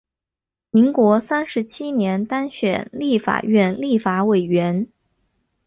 民国三十七年当选立法院立法委员。